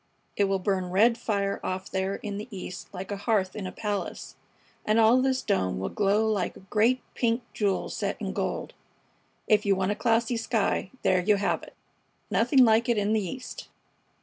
"It will burn red fire off there in the east like a hearth in a palace, and all this dome will glow like a great pink jewel set in gold. If you want a classy sky, there you have it! Nothing like it in the East!"